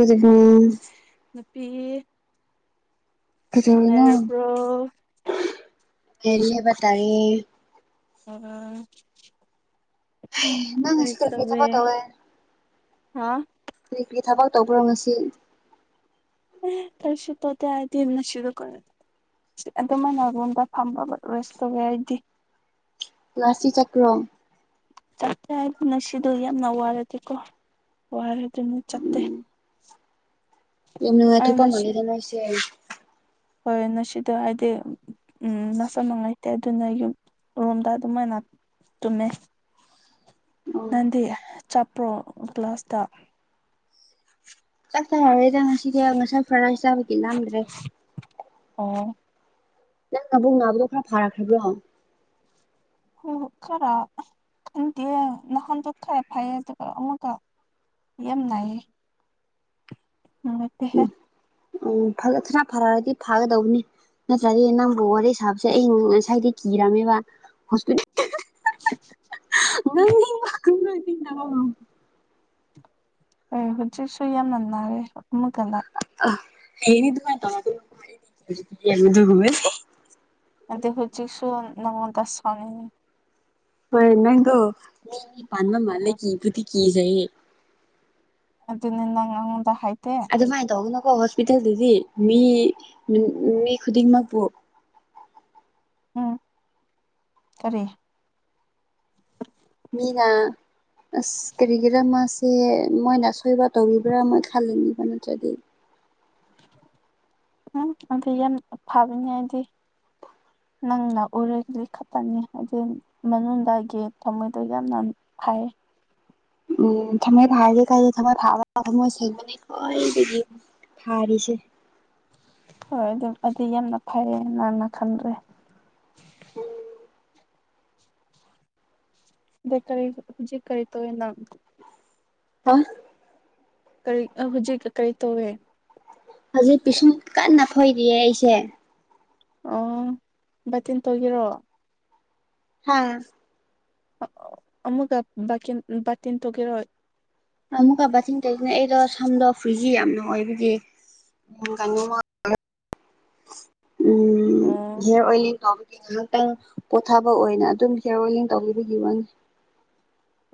ꯑꯗꯨ ꯎꯝ ꯅꯨꯄꯤ ꯀꯧꯗꯧꯔꯥꯅꯣ ꯅꯨꯡꯉꯥꯏꯔꯕ꯭ꯔꯣ ꯀꯦꯔꯤ ꯍꯥꯢꯕ ꯇꯥꯏꯌꯦ ꯑꯣ ꯅꯪ ꯉꯁꯤ ꯀꯔꯤ ꯀꯔꯤ ꯇꯧꯋꯦ ꯊꯕꯛ ꯇꯧꯢ ꯍꯥ ꯀ꯭ꯔꯤ ꯀ꯭ꯔꯤ ꯊꯕꯛ ꯇꯧꯕ꯭ꯔꯣ ꯉꯁꯤ ꯈꯔꯁꯨ ꯇꯣꯗꯦ ꯍꯥꯏꯗꯤ ꯑꯗꯨꯃꯥꯏꯅ ꯂꯣꯟꯗ ꯐꯝꯕ ꯔꯦꯁ ꯇꯧꯒꯦ ꯍꯥꯏꯗꯤ ꯀ꯭ꯂꯥꯁꯇꯤ ꯆꯠꯄ꯭ꯔꯣ ꯆꯠꯇꯦ ꯍꯥꯏꯗꯤ ꯉꯁꯤꯗꯣ ꯌꯥꯝꯅ ꯋꯥꯔꯗꯤꯀꯣ ꯋꯥꯔꯦ ꯑꯗꯨꯅ ꯆꯠꯇꯦ ꯌꯥꯝꯅ ꯑꯩ ꯅꯨꯡꯉꯥꯢꯊꯣꯛꯄ ꯃꯥꯜꯂꯤꯗ ꯅꯣꯏꯁꯦ ꯍꯣꯏꯅ ꯁꯤꯗ ꯍꯥꯏꯗꯤ ꯎꯝ ꯅꯁꯝ ꯉꯥꯏꯇꯦ ꯑꯗꯨꯅ ꯌꯨꯝ ꯔꯣꯝꯗ ꯑꯗꯨꯃꯥꯏ ꯅ ꯇꯃꯦ ꯑꯣ ꯅꯪꯗꯤ ꯆꯥꯠꯄ꯭ꯔꯣ ꯀ꯭ꯂꯥꯁꯇ ꯆꯥꯛ ꯆꯥꯔꯔꯣꯢꯗ ꯉꯁꯤꯗꯤ ꯉꯁꯥꯏ ꯐ꯭ꯔꯥ ꯔꯥꯢꯁ ꯆꯥꯕꯒꯤ ꯂꯥꯝꯗ꯭ꯔꯦ ꯑꯣ ꯅꯪ ꯃꯕꯨꯛ ꯅꯥꯕꯗꯣ ꯈꯔ ꯐꯥꯔꯛꯈ꯭ꯔꯕ꯭ꯔꯣ ꯈꯔ ꯈꯟꯗꯦ ꯅꯍꯥꯟꯗꯣ ꯈꯔ ꯐꯩꯌꯦ ꯑꯗꯨꯒ ꯑꯃꯨꯛꯀ ꯌꯥꯝ ꯅꯥꯏꯌꯦ ꯃꯠꯇ ꯎꯝ ꯈꯔ ꯐꯔꯛꯑꯔꯗꯤ ꯐꯥꯒꯗꯧꯕꯅꯤ ꯅꯠꯇ꯭ꯔꯗꯤ ꯅꯪꯕꯨ ꯋꯥꯔꯤ ꯁꯥꯕ ꯁꯦ ꯑꯩ ꯉꯁꯥꯏꯗꯤ ꯀꯤꯔꯝꯃꯦꯕ ꯍꯣꯁꯄꯤ ꯎꯝ ꯑꯦ ꯍꯧꯣꯏꯁꯨ ꯁꯨꯏꯌꯥꯃꯂꯔꯦ ꯃꯨꯒꯂ ꯑꯅꯤꯗꯨꯗꯨ ꯍꯃꯦ ꯑꯗ ꯍꯧꯁꯤ ꯁ ꯅꯃꯗꯁꯅꯤꯅꯤ ꯍꯣꯏ ꯅꯪꯒꯣ ꯄꯥꯟꯗꯝ ꯃꯥꯜ ꯎꯝ ꯂꯩꯒꯤꯕꯨꯗꯤ ꯀꯖꯌꯦꯦ ꯑꯗꯨꯅꯤꯅꯪꯉꯣꯟꯗ ꯍꯥꯏꯥꯏꯇꯦ ꯑꯗꯨꯃꯥꯏꯅ ꯇꯧꯒꯅꯀꯣ ꯍꯣꯁꯄꯤꯇꯥꯜꯗꯨꯗꯤ ꯃꯤ ꯃꯤ ꯈꯨꯗꯤꯡꯃꯛꯄꯨ ꯎꯝ ꯀꯔꯤ ꯃꯤꯅ ꯑꯁ ꯀꯔꯤꯒꯤꯔꯥ ꯃꯥꯁꯦ ꯃꯣꯏꯅ ꯑꯁꯣꯏꯕ ꯇꯧꯔꯤꯕ꯭ꯔꯥ ꯑꯃꯣꯏ ꯈꯜꯂꯅꯤꯕ ꯅꯠꯇ꯭ꯔꯗꯤ ꯎꯝ [inaudible] ꯌꯥꯝꯅ ꯐꯕꯅꯤ ꯍꯥꯏꯕꯗꯤ ꯅꯪꯅ ꯎꯔꯒꯗꯤ ꯈꯛꯇꯅꯤ ꯍꯥꯏ ꯃꯅꯨꯡꯗꯒꯤ ꯊꯃꯣꯏꯗ ꯌꯥꯝꯅ ꯐꯥꯏꯌꯦ ꯎꯝ ꯊꯃꯣꯏ ꯐꯥꯔꯁꯦ ꯀ ꯊꯃꯣꯏ ꯐꯥꯕꯒ ꯊꯝꯃꯣꯏ ꯁꯦꯡꯕꯅꯤ ꯈꯣꯏ ꯑꯗꯒꯤ ꯍꯔꯤꯁꯦ ꯍꯣꯏ ꯑꯗꯨꯝ ꯑꯗꯤ ꯌꯥꯝꯅ ꯐꯔꯦ ꯅꯪꯅ ꯈꯟꯗ꯭ꯔꯦ ꯗꯀꯇꯔ ꯖꯤ ꯍꯧꯖꯤꯛ ꯀꯔꯤ ꯇꯧꯔꯤꯅꯣ ꯑꯥ ꯀꯔꯤ ꯑꯥ ꯍꯧꯖꯤꯛ ꯀꯔꯤ ꯇꯧꯋꯦ ꯍꯧꯖꯤꯛ ꯄꯤꯁꯨꯝ ꯀꯟꯅ ꯐꯣꯏꯔꯤꯌꯦ ꯑꯩꯁꯦ ꯑꯣ ꯕꯥꯇꯤꯟ ꯇꯧꯒꯤꯦꯔꯣ ꯍꯥꯥ ꯑꯃꯨꯛꯀ ꯕꯥꯀꯤꯟ ꯕꯥꯇꯤꯟ ꯊꯣꯛꯈꯤꯔꯣꯏ ꯑꯃꯨꯛꯀ ꯕꯥꯊꯤꯡ ꯇꯧꯕꯅꯦ ꯑꯩꯗꯣ ꯁꯝꯗꯣ ꯐ꯭ꯔꯤꯖꯤ ꯌꯥꯝꯅ ꯑꯣꯏꯕꯒꯤ [inaudible] ꯎꯝ ꯑꯣ ꯦ ꯑꯣꯏ ꯇ ꯉꯥꯏꯍꯥꯛꯇꯪ ꯄꯣꯊꯥꯕ ꯑꯣꯏꯅ ꯑꯗꯨꯝ ꯍꯤꯌꯔ ꯋꯦꯂꯤꯡ ꯇꯧꯕꯤꯕꯒꯤ ꯋꯥꯅꯤ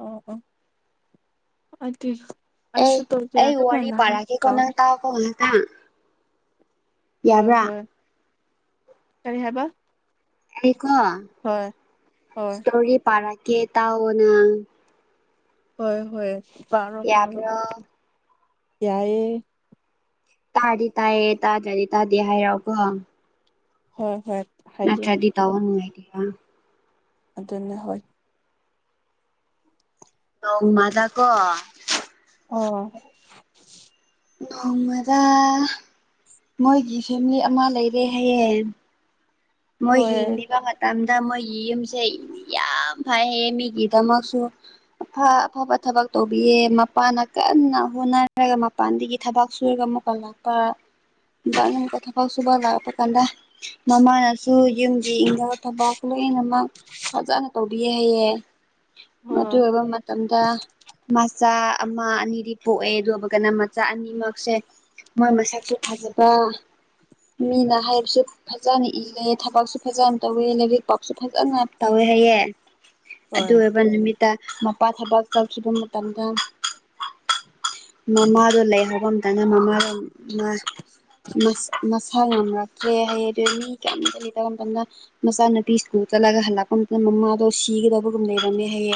ꯑꯣ ꯑꯣ ꯑꯗꯨ ꯑꯦ ꯑꯩꯁꯨ ꯇꯧꯗꯦ ꯑꯩ ꯋꯥꯔꯤ ꯑꯗꯨꯃꯥꯏꯅ ꯍꯥꯏ ꯄꯥꯔꯛꯒꯦꯀꯣ ꯀꯥꯎ ꯅꯪ ꯇꯥꯎꯀꯣ ꯉꯍꯥꯛꯇꯪ ꯍꯣꯢ ꯍꯣꯏꯌꯦ ꯀꯔꯤ ꯍꯥꯏꯕ ꯑꯩꯀꯣ ꯍꯣꯏ ꯍꯣꯏ ꯀꯦ ꯇ ꯑꯣꯅ ꯍꯣꯏ ꯍꯣꯏ ꯄꯔꯣ ꯄꯔꯣ ꯌꯥꯕ꯭ꯔꯣ ꯏꯏꯦ ꯇꯥꯗꯤ ꯇꯥꯏꯌꯦ ꯇꯥꯗ꯭ꯔꯗꯤ ꯇꯥꯗꯦ ꯍꯥꯏꯔꯛꯑꯣꯀꯣ ꯍꯣꯏ ꯍꯣꯏ ꯍꯥꯏꯒꯦ ꯅꯠꯇ꯭ꯔꯗꯤ ꯇꯧꯕ ꯅꯨꯡꯉꯥꯏꯇꯦꯗ ꯑꯗꯨꯅ ꯍꯣꯏ ꯅꯣꯡꯃ ꯗꯀꯣ ꯑꯣ ꯍꯣꯃꯔ ꯃꯣꯏꯒꯤ ꯐꯦꯃꯤꯂꯤ ꯑꯃ ꯂꯩꯔꯦ ꯍꯌꯦꯡ ꯃꯣꯏ ꯍꯣꯏ ꯍꯤꯡꯂꯤꯕ ꯃꯇꯝꯗ ꯃꯣꯏꯒꯤ ꯌꯨꯝꯁꯦ ꯏ ꯌꯥꯝ ꯐꯩꯌꯦ ꯃꯤꯒꯤ ꯗꯃꯛꯁꯨ ꯑꯐ ꯑꯐꯕ ꯊꯕꯛ ꯇꯧꯕꯤꯌꯦ ꯃꯄꯥꯅ ꯀꯟꯅ ꯍꯣꯠꯅꯔꯒ ꯃꯞ ꯃ ꯄꯥꯟꯒꯤ ꯊꯕꯛ ꯁꯨꯔꯒ ꯑꯃꯨꯛ ꯀꯜꯂꯛꯄ [inaudible] ꯀꯤ ꯐꯥꯎ ꯁꯨꯕ ꯂꯥꯛꯄ ꯀꯥꯟꯗ ꯃꯃꯥꯖ ꯁꯨ ꯌꯨꯝꯒꯤ ꯏꯪꯅꯕ ꯊꯕꯛ ꯈꯨꯠꯂꯣꯏꯅꯃꯛ ꯐꯖꯅ ꯇꯧꯕꯤꯌꯦ ꯍꯥꯏꯩꯌꯦꯦ ꯍꯣꯏ ꯃꯕ ꯃ ꯇꯝꯗ ꯃꯆꯥ ꯑꯃ ꯑꯅꯤꯗꯤ ꯄꯣꯛꯑꯦ ꯑꯗꯨ ꯑꯃꯒꯅ ꯃꯆꯥ ꯑꯅꯤꯃꯛꯁꯦ ꯃꯥꯏ ꯃꯁꯛꯁꯨ ꯐꯖꯕ ꯃꯤꯅ ꯍꯥꯏꯕꯁꯨ ꯐꯖꯅ ꯏꯜꯂꯦ ꯊꯕꯛꯁꯨ ꯐꯖꯅ ꯇꯧꯋꯦ ꯂꯥꯏꯔꯤꯛ ꯄꯥꯕꯁꯨ ꯐꯖꯅ ꯇꯧꯋꯦ ꯍꯥꯏꯌꯦ ꯍꯣꯏ ꯑꯗꯨ ꯑꯣꯏꯕ ꯅꯨꯃꯤꯠ ꯇ ꯃꯄꯥ ꯊꯕꯛ ꯇꯧꯈꯤꯕ ꯃꯇꯝꯗ ꯃꯃꯥꯗꯣ ꯂꯩꯍꯧꯕ ꯑꯃꯇꯅ ꯃꯃꯥꯗꯣ ꯃꯥ ꯃꯁ ꯃꯁꯥ ꯉꯝꯃꯛꯇ꯭ꯔꯦ ꯍꯥꯏꯌꯦ ꯑꯗꯨꯗꯤ ꯃꯤ ꯀꯌ꯭ꯥꯝ ꯆꯠꯂꯤ [inaudible] ꯇꯝꯅ ꯃꯆꯥ ꯅꯨꯄꯤ ꯁ꯭ꯀꯜ ꯆꯠꯂꯒ ꯍꯜꯂꯛꯄ ꯃꯇꯝꯗ ꯃꯃꯥꯗꯣ ꯁꯤꯒꯗꯕꯒꯨꯝ ꯂꯩꯔꯝꯃꯦ ꯍꯥꯌꯦ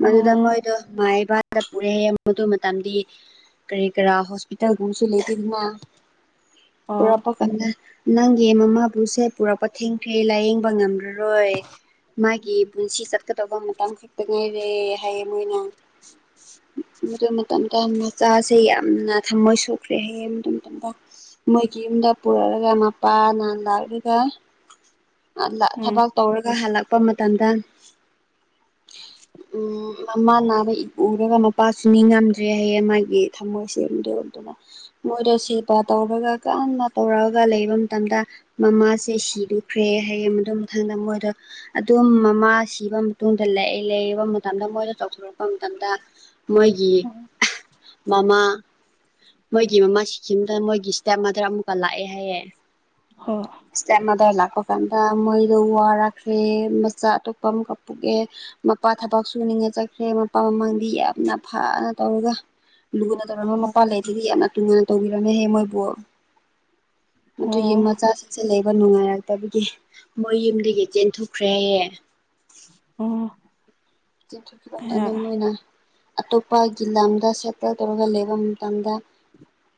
ꯃꯗꯨꯗ ꯑꯣ ꯃꯣꯏꯗꯣ ꯃꯥꯏꯕ ꯗ ꯄꯨꯔꯦꯝ ꯃꯗꯨ ꯃꯇꯝꯗꯤ ꯀꯔꯤ ꯀꯔꯥ ꯍꯣꯁꯄꯤꯇꯥꯜꯒꯨꯝꯕꯁꯨ ꯂꯩꯇꯦꯗꯅ ꯑꯣ ꯄꯨꯔꯛꯄ ꯀꯥꯟꯗ ꯅꯪꯒꯤ ꯃꯃꯥꯕꯨꯁꯦ ꯄꯨꯔꯛꯄ ꯊꯦꯡꯈ꯭ꯔꯦ ꯂꯥꯏꯌꯦꯡꯕ ꯉꯝꯗ꯭ꯔꯥ ꯑꯔꯣꯏ ꯃꯥꯒꯤ ꯄꯨꯟꯁꯤ ꯆꯠꯀꯗꯕ ꯃꯇꯝ ꯈꯛ ꯇꯛ ꯉꯥꯏꯔꯦ ꯍꯥꯏꯌꯦ ꯃꯣꯏꯅ ꯃꯗꯨ ꯃꯇꯝꯗ ꯃꯆꯥꯁꯦ ꯌꯥꯝꯅ ꯊꯃꯣꯏ ꯁꯣꯛꯈ꯭ꯔꯦ ꯍꯥꯌꯦꯡ ꯃꯗꯨ ꯃꯇꯝꯗ ꯃꯣꯏꯒꯤ ꯌꯨꯝꯗ ꯄꯨꯔꯛꯑꯒ ꯃꯄꯥꯅ ꯂꯥꯛꯂꯒ ꯑ ꯂꯥꯛ ꯎꯝ ꯊꯕꯛ ꯇꯧꯔꯒ ꯍꯜꯂꯛꯄ ꯃꯇꯝꯗ [inaudible] ꯎꯝ ꯃꯃꯥ ꯅꯥꯕꯒꯤ ꯏꯎꯝꯗꯨꯅ ꯃꯄꯥꯁꯨ ꯅꯤꯡꯉꯝꯗ꯭ꯔꯦ ꯍꯌꯦꯡ ꯃꯥꯒꯤ ꯊꯝꯃꯣꯏ ꯁꯦ [inaudible] ꯃꯣꯏꯗꯣ ꯁꯦꯕꯥ ꯇꯧꯔꯒ ꯀꯟꯅ ꯇꯧꯔꯛꯑꯒ ꯂꯩꯕ ꯃꯇꯝꯗ ꯃꯃꯥ ꯁꯦ ꯁꯤꯕꯤꯈ꯭ꯔꯦ ꯍꯥꯏꯌꯦ ꯃꯗꯨ ꯃꯊꯪꯗ ꯃꯣꯏꯗꯣ ꯑꯗꯨꯝ ꯃꯃꯥ ꯁꯤꯕ ꯇꯨꯡꯗ ꯂꯩꯏ ꯂꯩꯔꯤꯕ ꯃꯇꯝꯗ ꯃꯣꯏꯗ ꯆꯥꯎꯊꯣꯔꯛꯄ ꯃꯇꯝꯇ ꯃꯣꯏꯒꯤ ꯍꯣꯏ ꯃꯃꯥ ꯃꯣꯏꯒꯤ ꯃꯃꯥꯁꯤ ꯁꯤꯝꯇꯗ ꯃꯣꯏꯒꯤ ꯁ꯭ꯇꯦꯞ ꯃꯗ ꯑꯃꯨꯛꯀ ꯂꯥꯛꯑꯦ ꯍꯥꯏꯌꯦꯦ ꯍ ꯏꯁꯇꯦꯞꯃꯗꯔ ꯂꯥꯛꯄ ꯀꯥꯟꯗ ꯃꯣꯏꯗꯣ ꯋꯥꯔꯛꯈ꯭ꯔꯦ ꯃꯆꯥ ꯑꯇꯣꯞꯄ ꯑꯃꯨꯛꯀ ꯄꯨꯣꯛꯑꯦ ꯃꯄꯥ ꯊꯕꯛ ꯁꯨꯅꯤꯡꯉ ꯆꯠꯈ꯭ꯔꯦ ꯃꯄꯥ ꯃꯃꯥꯡꯗꯤ ꯌꯥꯝꯅ ꯐꯅ ꯇꯧꯔꯒ ꯂꯨꯅ ꯇꯧꯔꯝꯃꯣꯏ ꯃꯄꯥ ꯂꯩ ꯑꯗꯨꯗꯤ ꯌꯥꯝꯅ ꯂꯨꯅ ꯇꯧꯕꯤꯔꯝꯃꯦꯍꯦ ꯃꯣꯏꯕꯣ ꯃꯗꯨꯒꯤ ꯑꯣ ꯃꯆꯥꯁꯤꯡꯁꯦ ꯂꯩꯕ ꯅꯨꯡꯉꯥꯏꯔꯛꯇꯕꯒꯤ ꯃꯣꯏ ꯌꯨꯝꯗꯒꯤ ꯆꯦꯟꯊꯣꯛꯈ꯭ꯔꯦ ꯍꯥꯏꯌꯦ ꯎꯝ ꯆꯦꯟꯊꯣꯛꯈꯤꯕ ꯑꯗꯨꯗ ꯃꯣꯏꯅ ꯑꯇꯣꯞꯄꯒꯤ ꯂꯝꯗ ꯁꯦꯇꯜ ꯇꯧꯔꯒ ꯂꯩꯕ ꯃꯇꯝꯗ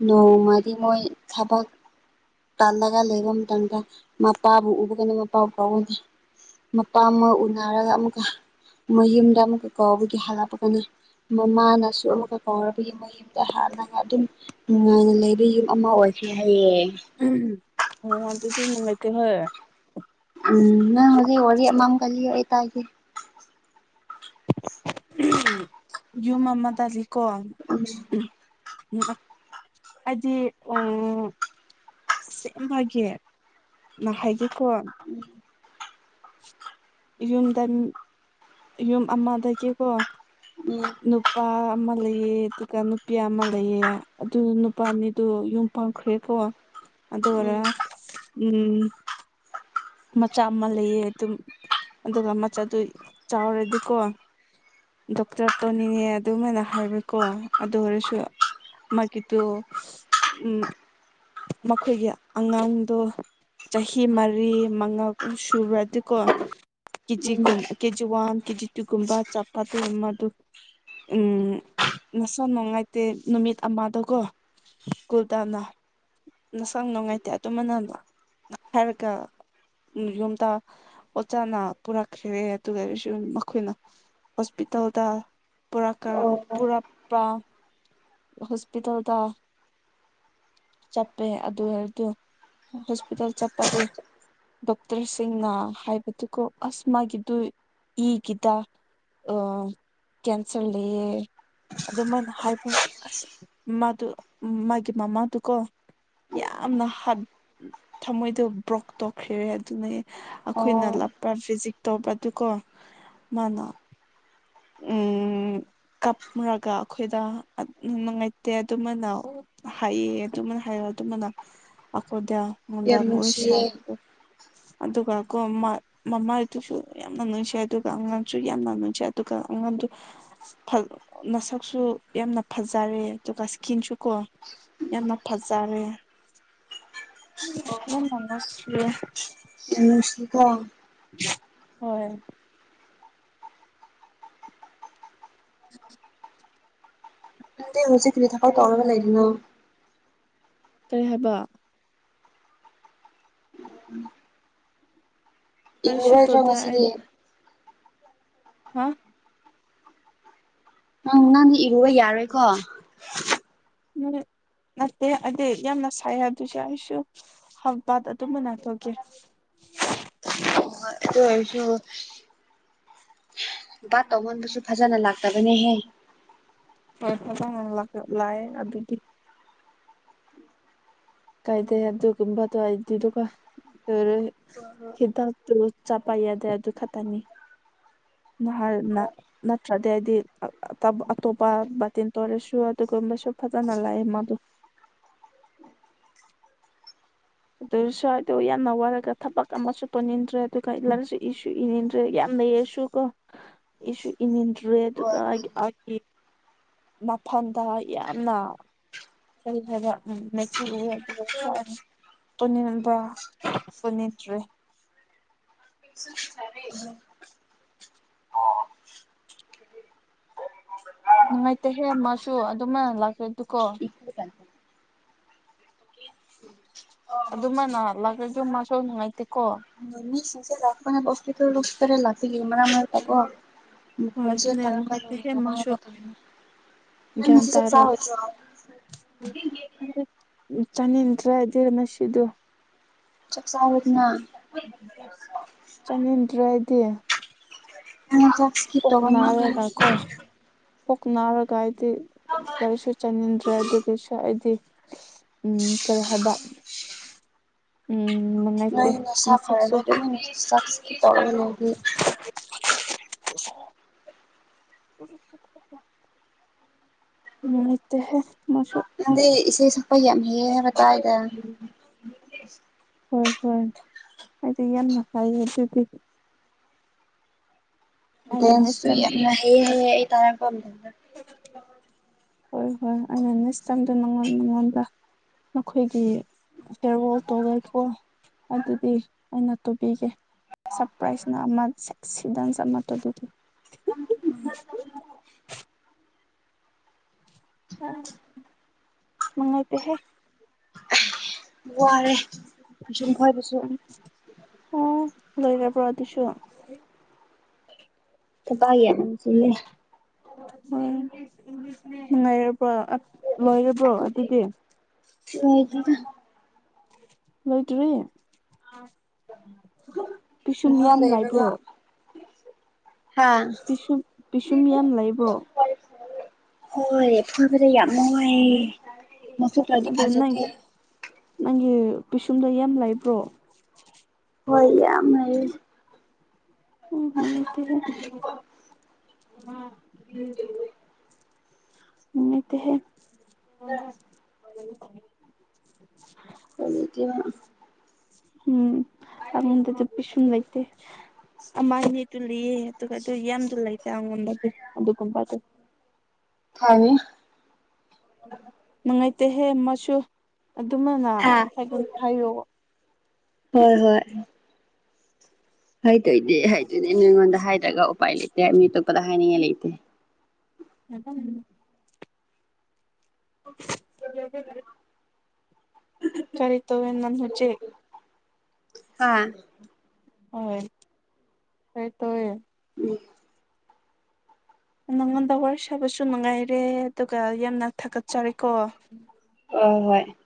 ꯅꯣꯡꯃꯗꯤ ꯃꯣꯏ ꯊꯕꯛ ꯇꯜꯂꯒ ꯂꯩꯕ ꯃꯇꯝ ꯃꯇꯝꯗ ꯃꯄꯥꯕꯨ ꯎꯕꯒꯅ ꯃꯄꯥꯕꯨ ꯀꯥꯎꯒꯅꯤ ꯃꯄꯥ ꯑꯃ ꯎꯅꯔꯒ ꯑꯃꯨꯛꯀ ꯃꯣꯏ ꯌꯨꯝꯗ ꯑꯃꯨꯛꯀ ꯀꯥꯎꯕꯒꯤ ꯍꯜꯂꯛꯄꯒꯅꯤ ꯃꯃꯥꯅꯁꯨ ꯑꯃꯨꯛꯀ ꯀꯥꯎꯔꯛꯄꯒꯤ ꯃꯣꯏ ꯌꯨꯝꯗ ꯍꯥꯜꯂꯒ ꯑꯗꯨꯝ ꯅꯨꯡꯉꯥꯏꯅ ꯂꯩꯕ ꯌꯨꯝ ꯑꯃ ꯑꯣꯏꯈꯤ ꯍꯥꯏꯌꯦ ꯎꯃꯍ ꯑꯣ ꯑꯗꯨꯗꯤ ꯅꯨꯡꯉꯥꯏꯇꯦꯍꯣꯏ ꯎꯝ ꯅꯪ ꯍꯧꯖꯤꯛ ꯋꯥꯔꯤ ꯑꯃꯝ ꯀ ꯂꯤꯌꯣ ꯑꯩ ꯇꯥꯒꯦ ꯌꯨꯝ ꯑꯃ ꯇꯥꯜꯂꯤꯀꯣ ꯎꯝꯖꯤ ꯎꯝ [inaudible] ꯑꯩꯗꯤ ꯑꯣꯏꯔꯔꯣꯏ ꯑꯁꯦꯝꯕꯒꯤ ꯅꯪ ꯍꯩꯒꯦꯀꯣ ꯌꯨꯝꯗ ꯅꯟ ꯌꯨꯝ ꯑꯃꯗꯒꯤꯀꯣ ꯎꯝ ꯅꯨꯄꯥ ꯑꯃ ꯂꯩꯌꯦ ꯑꯗꯨꯒ ꯅꯨꯄꯤ ꯑꯃ ꯂꯩꯌꯦ ꯑꯗꯨ ꯅꯨꯄꯥ ꯑꯅꯤꯗꯨ ꯌꯨꯝ ꯄꯥꯎꯈ꯭ꯔꯦꯀꯣ ꯑꯗꯣ ꯎꯝ ꯑꯣꯏꯔ ꯎꯝ ꯃꯆꯥ ꯑꯃ ꯂꯩꯌꯦ ꯑꯗꯨꯝ ꯑꯗꯨꯒ ꯃꯆꯥꯗꯨ ꯆꯥꯎꯔꯗꯤꯀꯣ ꯗꯣꯛꯇꯔ ꯇꯣꯅꯤꯉꯦ ꯑꯗꯨꯃꯥꯏꯅ ꯍꯥꯏꯕꯔꯥ ꯀꯣ ꯑꯗꯨ ꯑꯣꯏꯔꯁꯨ ꯃꯥꯒꯤꯗꯨ ꯍꯍ ꯎꯝ ꯃꯈꯣꯏꯒꯤ ꯑꯉꯥꯡꯗꯣ ꯆꯍꯤ ꯃꯔꯤ ꯃꯉꯥꯕꯨ ꯁꯨꯔꯗꯤꯀꯣ ꯀꯦꯆꯤ ꯎꯝ ꯀꯨꯝ ꯀꯦ ꯖꯤ ꯋꯥꯟ ꯀꯦꯖꯤ ꯇꯨꯒꯨꯝꯕ ꯆꯞꯄ ꯑꯗꯨ ꯑꯃ ꯑꯗꯨ ꯎꯝ ꯅꯁꯥ ꯅꯨꯡꯉꯥꯏꯇꯦ ꯅꯨꯃꯤꯠ ꯑꯃꯥꯗꯀꯣ ꯁ꯭ꯀꯨꯜ ꯇꯥꯅ ꯅꯁꯪ ꯅꯨꯡꯉꯥꯏꯇꯦ ꯑꯗꯨꯝꯃꯅ ꯍꯥꯏꯔꯒ ꯎꯝ ꯌꯨꯝꯇ ꯑꯣꯖꯥꯅ ꯄꯨꯔꯛꯈ꯭ꯔꯦ ꯑꯗꯨꯒꯁꯨ ꯃꯈꯣꯏꯅ ꯍꯣꯁꯄꯤꯇꯥꯜꯗ ꯄꯨꯔꯒ ꯑꯣ ꯄꯨꯔꯛꯄꯔꯥ ꯍꯣꯁꯄꯤꯇꯥꯜꯗ ꯆꯠꯄꯦ ꯑꯗꯨ ꯑꯣꯏꯔꯗꯨ ꯍꯣꯁꯄꯤꯇꯥꯜ ꯆꯠꯄꯗꯨ ꯗꯣꯛꯇꯔꯁꯤꯡꯅ ꯍꯥꯏꯕꯗꯨꯀꯣ ꯑꯁ ꯃꯥꯒꯤꯗꯨ ꯏꯒꯤꯗ ꯑꯝ ꯀꯦꯟꯁꯔ ꯂꯩꯌꯦ ꯑꯗꯨꯃꯥꯏꯅ ꯍꯥꯏꯕ ꯇ ꯑꯁ ꯃꯥꯗꯨ ꯃꯥꯒꯤ ꯃꯃꯥꯗꯨꯀꯣ ꯌꯥꯝꯅ ꯍꯥꯠ ꯊꯃꯣꯏꯗꯣ ꯕ꯭ꯔꯣꯛ ꯇꯧꯈ꯭ꯔꯦ ꯑꯗꯨꯅ ꯑꯩꯈꯣꯏꯅ ꯑꯣ ꯂꯥꯞ ꯄ꯭ꯔꯥ ꯐꯤꯖꯤꯛ ꯇꯧꯕ ꯑꯗꯨ ꯀꯣ ꯃꯥꯅ ꯎꯝ ꯀꯞꯨꯔꯒ ꯑꯩꯈꯣꯏꯗ ꯅꯨꯡꯉꯥꯏꯇꯦ ꯑꯗꯨꯃꯅ ꯍꯥꯏꯑ ꯑꯗꯨꯃꯅ ꯍꯥꯏꯔ ꯃꯅꯥ ꯑꯩꯈꯣꯢꯗ ꯌꯥꯝ ꯅꯨꯡꯁꯤꯌꯦ [unintelligible] ꯑꯗꯨꯒ ꯀꯣ ꯃꯃꯥꯗꯨꯁꯨ ꯌꯥꯝꯅ ꯅꯨꯡꯖꯩ ꯑꯗꯨꯒ ꯑꯉꯥꯡꯁꯨ ꯌꯥꯝꯅ ꯅꯨꯡꯖꯩ ꯑꯗꯨꯒꯥ ꯑꯩꯉꯣꯟꯗ ꯃꯁꯛꯁꯨ ꯌꯥꯝꯅ ꯐꯖꯔꯦ ꯑꯗꯨꯒ ꯏꯁꯀꯤꯟꯁꯨ ꯀꯣ ꯌꯥꯝꯅ ꯐꯖꯥ ꯔꯦ [unintelligible] ꯌꯥꯝ ꯅꯨꯡꯁꯤꯀꯣ ꯍꯣꯏ [unintelligible] ꯍꯧꯖꯤ ꯀꯤ ꯊꯛ ꯇꯧꯔ ꯂꯩꯅꯣ ꯀꯔꯤ ꯍꯥꯏꯕ ꯀꯔꯤꯁꯨ ꯏꯔꯨꯔꯣꯏꯗ꯭ꯔꯣ ꯇꯧꯗꯦ ꯑꯩ ꯉꯁꯤꯗꯤ ꯍꯥ ꯅꯪ ꯅꯪꯗꯤ ꯏꯔꯨꯕ ꯌꯥꯔꯣꯏꯀꯣ ꯎꯝ ꯅꯠꯇꯦ ꯑꯗꯨꯗꯤ ꯌꯥꯝꯅ ꯁꯥꯏ ꯑꯗꯨꯁꯨ ꯑꯩꯁꯨ ꯍꯝ ꯄꯠ ꯑꯗꯨꯝꯕ ꯅꯥꯊꯣꯛꯀꯦ ꯑꯩꯣ ꯍꯥꯏꯁꯨ ꯑꯣꯃꯟꯕꯨꯁꯁꯨ ꯐꯖꯥ ꯅꯂꯒꯦ [unintelligible] ꯍꯣꯏ ꯍ ꯂꯥꯛꯑꯦ ꯑꯗꯨꯗꯤ ꯀꯥꯏꯗꯦ ꯑꯗꯨ ꯑꯗꯨ ꯀꯕꯥ ꯑꯗꯨ ꯍꯥꯏꯗꯗꯨ ꯀ [unintelligible] ꯊꯗꯛꯇꯨ ꯆꯠꯄ ꯌꯥꯗ꯭ꯔꯦ ꯑꯗꯨ ꯈꯛꯇꯅꯤ ꯅꯍꯥꯟꯅ ꯅꯠꯇ꯭ꯔꯗꯤ ꯍꯥꯏꯗꯤ ꯑꯇꯣꯞꯄ ꯕꯥꯇꯤꯟꯇ ꯑꯣꯏꯔꯁꯨ ꯑꯗꯨꯒꯨꯝꯕꯁꯨ ꯐꯖꯅ ꯂꯩꯌꯦ ꯃꯥꯗꯣ ꯑꯗꯨꯁꯨꯋꯥꯏꯗꯣ ꯌꯥꯝꯅ ꯋꯥꯔꯒ ꯊꯕꯛ ꯑꯃꯁꯨ ꯇꯧꯅꯤꯡꯟꯗ꯭ꯔꯦ ꯑꯗꯨꯒ ꯂꯁꯨ ꯏꯁꯨ ꯏꯅꯤꯡꯟꯗ꯭ꯔꯦ ꯌꯥꯝ ꯂꯩꯔꯁꯨ ꯀꯣ ꯑꯩꯁꯨ ꯏꯟ ꯏꯟꯗ꯭ꯔꯦ ꯍꯣꯏ ꯑꯗꯨꯒ ꯑꯩꯒꯤ ꯃꯐꯝꯗ ꯌꯥꯝꯅ ꯍꯥꯏ ꯎꯝ ꯃꯦꯛꯁꯤ [unintelligible] ꯀꯅꯤꯕꯅꯤꯇ꯭ꯔꯦ ꯐꯔꯦ ꯅꯨꯡꯉꯥꯏꯇꯦꯍꯦ ꯃꯥꯁꯨ ꯑꯗꯨꯃ ꯂꯥꯛꯀꯦ ꯑꯗꯨꯀꯣ ꯍꯣꯏ ꯑꯗꯨꯃ ꯅꯥꯍꯜꯂꯒꯁꯨ ꯃꯥꯁꯨ ꯅꯨꯡꯉꯥꯏꯇꯦꯀꯣ ꯃꯤꯁꯤꯡꯁꯦ ꯂꯥꯛꯄꯅꯦ [unintelligible] ꯁꯤꯒꯤ ꯃꯔꯛ ꯃꯔꯛ ꯇꯀꯑꯣ ꯍꯣꯏ ꯑꯗꯨꯅꯦ ꯅꯨꯡꯉꯥꯏꯇꯦꯍꯦ ꯃꯥꯁꯨ ꯅꯪ ꯒ꯭ꯌꯥꯟ ꯉꯁꯤ ꯆꯥꯛ ꯇꯥꯔ ꯆꯥꯔꯣꯏꯗꯔꯣ ꯎ ꯆꯥꯅꯤꯡ ꯇ꯭ꯔꯦ [unintelligible] ꯆꯞꯆꯥꯥꯔꯗꯅ ꯆꯪꯅꯤꯡꯟꯗ꯭ꯔꯦꯗꯤ ꯅꯪ ꯆꯥꯛ ꯁ꯭ꯀꯤꯞ ꯇꯧꯕ ꯅꯔ ꯃꯥꯜꯂꯦ ꯀ ꯀꯣ ꯀꯣꯛ ꯉꯥꯎꯔꯒꯥ ꯑꯩꯗꯤ ꯀꯔꯤꯁꯨ ꯆꯥꯅꯤꯡꯗ꯭ꯔꯦ ꯑꯗꯨꯒꯤꯁꯨ ꯑꯩꯗꯤ ꯎꯝ ꯀꯔꯤ ꯍꯥꯏꯕ ꯎꯝ ꯃꯅꯨꯡꯉꯥꯏꯇꯦ ꯅꯁꯛꯁꯨ ꯎ ꯆꯁ [unintelligible] [inaudible] ꯅꯨꯡꯉꯥꯏꯇꯦꯍꯦ ꯃꯁꯨ ꯅꯗꯦ ꯏꯦ ꯁꯐ ꯌꯥꯝ ꯍꯦꯕꯇꯥꯥꯏꯗ ꯎꯝ ꯍꯣꯏ ꯍꯣꯏ ꯍꯥꯏꯗꯤ ꯌꯥꯝꯅ ꯐꯥꯏꯌꯦ ꯑꯗꯨꯗꯤꯗꯤ ꯑꯩꯅ ꯅꯦꯛꯁ ꯕꯣꯟꯁꯨ ꯇꯥꯏꯝ ꯌꯥꯝꯅ ꯍꯩ ꯍꯥꯏꯌꯦ ꯑꯩ ꯇꯥꯔꯛꯄ ꯃꯇꯝꯗ [unintelligible] ꯍꯣꯏ ꯍꯣꯏ ꯑꯩꯅ ꯅꯦꯛꯁ ꯇꯥꯏꯝꯗꯣ ꯅꯪꯉꯣꯟ ꯅꯉꯣꯟꯗ ꯅꯈꯣꯏꯒꯤ ꯐꯦꯔꯋꯥꯣꯜ ꯇꯧꯒꯦꯀꯣ ꯑꯗꯨꯗꯤ ꯑꯩꯅ ꯇꯧꯕꯤꯒꯦ ꯁꯔꯄ꯭ꯔꯥꯏꯖꯅ ꯑꯃ ꯑꯦꯛꯁꯤꯗꯦꯟꯁ ꯑꯃꯠꯇ ꯑꯗꯨꯗꯤ [inaudible] ꯃꯉꯥꯏꯇ ꯍꯦ ꯋꯥꯔꯦ ꯑꯁꯨꯝ [unintelligible] ꯑꯣ ꯂꯣꯏꯔꯔꯕ꯭ꯔ ꯑꯗꯨꯁꯨꯣ ꯄꯥꯏ ꯌꯥꯝ ꯁꯤꯦ ꯍꯣꯏ ꯉꯥꯏꯔꯕꯣ ꯂꯣꯏꯔꯕ꯭ꯔꯣ ꯑꯗꯨꯗꯤ ꯊ ꯂꯣꯏꯇꯔꯤ ꯀꯣꯏꯁꯟ ꯉꯍꯥꯛ ꯌꯥꯝ ꯂꯥꯏꯕ꯭ꯔꯣ ꯍꯥꯥ ꯄꯤꯁꯨꯝ ꯄꯤꯁꯨꯝ ꯌꯥꯝ ꯂꯩꯕ꯭ꯔꯣ ꯍꯣꯏ ꯐꯕꯗꯣ ꯌꯥꯝ ꯅꯨꯡꯉꯥꯏꯌꯦ ꯑꯗꯨ ꯅꯪ ꯅꯪꯒꯤ ꯄꯤꯁꯨꯝꯗꯣ ꯌꯥꯝ ꯂꯩꯕ꯭ꯔꯣ ꯍꯣꯏ ꯌꯥꯝ ꯂꯩꯌꯦ ꯎꯝ ꯅꯨꯡꯉꯥꯏꯇꯦꯍꯦ ꯅꯨꯡꯉꯥꯏꯇꯦꯍꯦ ꯑꯗꯨꯗꯤ ꯎꯝ ꯑ ꯃꯗꯁꯨ ꯄꯤꯁꯟ ꯂꯩꯇꯦ ꯑꯃꯥꯏꯅꯦ ꯇ ꯂꯩꯌꯦ ꯑꯗꯨꯒꯗꯤ ꯌꯥꯝꯗꯤ ꯂꯩꯇꯦ ꯑꯩꯉꯣꯟꯗꯗꯤ ꯑꯗꯨꯒꯨꯝꯕꯗꯨ ꯍꯥꯏꯅꯤ ꯅꯨꯡꯉꯥꯏꯇꯦꯍꯦ ꯃꯁꯨ ꯑꯗꯨꯃꯅ ꯍꯥ ꯍꯥꯏ ꯍꯥꯏꯌꯣ ꯍꯣꯏ ꯍꯣꯏ ꯍꯩꯇꯣꯏꯗꯤ ꯍꯗꯣꯏꯅꯦ ꯅ ꯑꯩꯉꯣꯟꯗ ꯍꯥꯏꯗ꯭ꯔꯒ ꯎꯄꯥꯏ ꯂꯩꯇꯦ ꯃꯤ ꯑꯇꯣꯞꯄꯗ ꯍꯥꯏꯅꯤꯡꯉꯥꯏ ꯂꯩꯇꯦ [unintelligible] [unintelligible] ꯀꯔꯤ ꯇꯧꯦ ꯅꯪ ꯍꯖꯦ ꯍꯥ ꯍꯣꯏ ꯍꯣꯏ ꯇꯥꯏꯌꯦ ꯎꯝ ꯅꯪꯉꯣꯟꯗ ꯋꯥꯔꯤ ꯁꯥꯕꯁꯨ ꯅꯨꯡꯉꯥꯏꯔꯦ ꯑꯗꯨꯒ ꯌꯥꯝꯅ ꯊꯥꯒꯠꯆꯔꯤꯦꯀꯣ ꯑ ꯍꯣꯏ